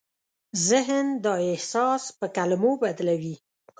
ذهن دا احساس په کلمو بدلوي.